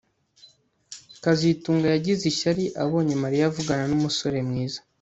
kazitunga yagize ishyari abonye Mariya avugana numusore mwiza